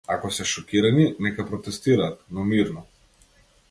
Ако се шокирани, нека протестираат, но мирно.